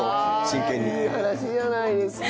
いい話じゃないですか。